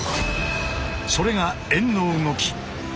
それが「円の動き」。